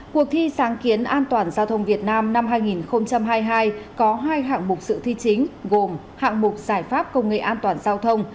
cuộc thi sáng kiến an toàn giao thông việt nam năm hai nghìn hai mươi hai có hai hạng mục sự thi chính gồm hạng mục giải pháp công nghệ an toàn giao thông